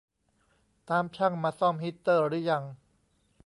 ตามช่างมาซ่อมฮีตเตอร์รึยัง